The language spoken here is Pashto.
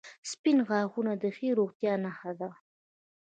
• سپین غاښونه د ښې روغتیا نښه ده.